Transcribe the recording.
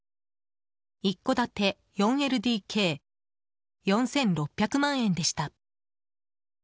一戸建て４ＬＤＫ４６００万円でした。